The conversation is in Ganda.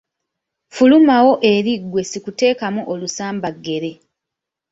Fulumawo eri ggwe sikuteekamu olusambaggere!